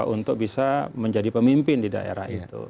untuk bisa menjadi pemimpin di daerah itu